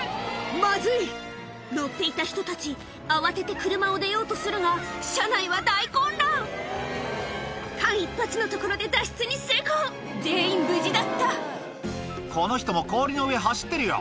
まずい乗っていた人たち慌てて車を出ようとするが車内は大混乱間一髪のところで脱出に成功全員無事だったこの人も氷の上走ってるよ